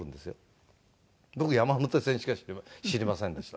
僕山手線しか知りませんでした。